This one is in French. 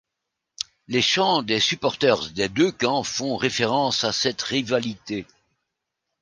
Les chants des supporters des deux camps font référence à cette rivalité.